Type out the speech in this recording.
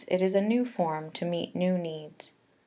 It is a new form to meet new needs.